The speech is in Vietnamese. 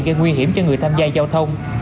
gây nguy hiểm cho người tham gia giao thông